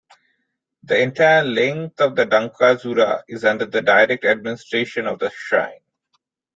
The entire length of the dankazura is under the direct administration of the shrine.